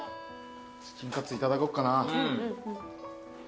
チキンカツいただこうかな。